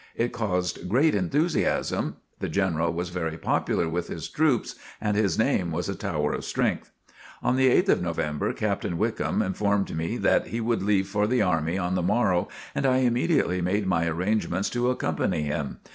It caused great enthusiasm. The General was very popular with his troops and his name was a tower of strength. On the 8th of November, Captain Wickham informed me that he would leave for the army on the morrow and I immediately made my arrangements to accompany him.